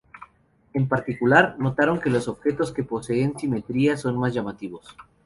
En particular, notaron que los objetos que poseen simetría son más llamativos.